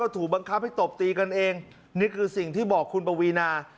ถูกบังคับให้ตบตีกันเองนี่คือสิ่งที่บอกคุณปวีนา